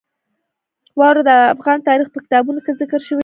واوره د افغان تاریخ په کتابونو کې ذکر شوی دي.